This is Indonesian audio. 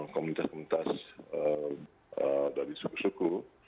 komunitas komunitas dari suku suku